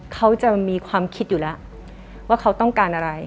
เขาจะมีความคิดอยู่แล้วว่าเขาต้องการอะไร